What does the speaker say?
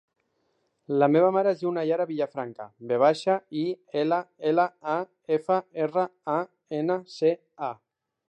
La meva mare es diu Nayara Villafranca: ve baixa, i, ela, ela, a, efa, erra, a, ena, ce, a.